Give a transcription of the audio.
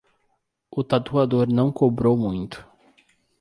O tatuador não cobrou muito